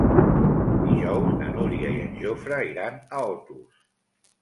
Dijous na Núria i en Jofre iran a Otos.